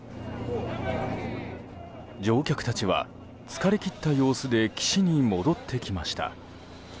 乗客たちは疲れ切った様子で岸に戻ってきました。